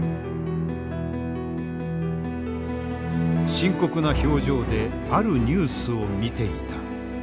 深刻な表情であるニュースを見ていた。